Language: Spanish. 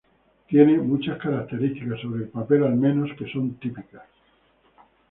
Tiene mucha características, sobre el papel al menos, que son típicas.